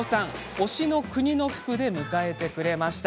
推しの国の服で迎えてくれました。